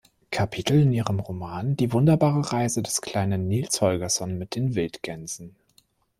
Kapitel in ihrem Roman "Die wunderbare Reise des kleinen Nils Holgersson mit den Wildgänsen".